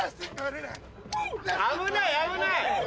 危ない危ないよ！